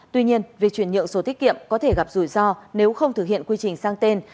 tuy nhiên việc chuyển nhượng số tiết kiệm có thể gặp rủi ro nếu không thực hiện quy trình sang tên